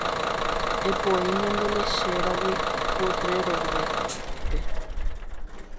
Epoi ñande lechéragui potrero-pe.